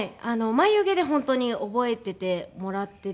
眉毛で本当に覚えててもらってて。